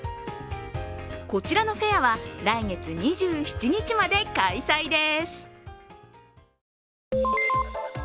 こちらのフェアは来月２７日まで開催です。